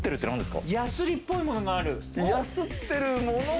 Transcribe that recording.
ヤスリっぽいものがある。